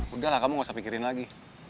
udah lah kamu gak usah mikirin lagi